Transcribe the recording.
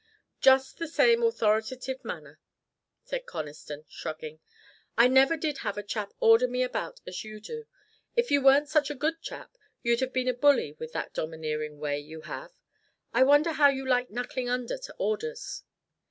"Just the same authoritative manner," said Conniston, shrugging. "I never did have a chap order me about as you do. If you weren't such a good chap you'd have been a bully with that domineering way you have. I wonder how you like knuckling under to orders?"